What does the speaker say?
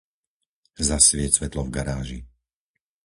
Zasvieť svetlo v garáži.